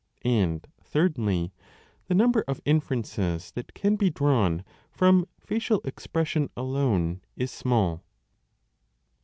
And, thirdly, the number of inferences that can be drawn from facial expression alone is small.